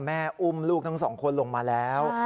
อุ้มลูกทั้งสองคนลงมาแล้ว